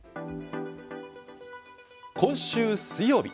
今週水曜日。